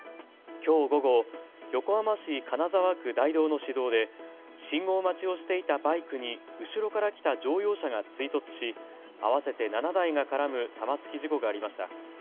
きょう午後、横浜市金沢区大道の市道で信号待ちをしていたバイクに後ろから来た乗用車が追突し合わせて７台が絡む玉突き事故がありました。